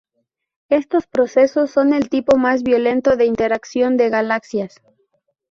Estos procesos son el tipo más violento de interacción de galaxias.